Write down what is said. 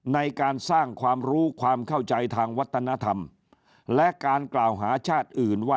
ในการสร้างความรู้ความเข้าใจทางวัฒนธรรมและการกล่าวหาชาติอื่นว่า